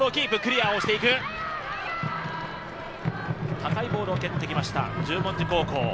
高いボールを蹴ってきました十文字高校。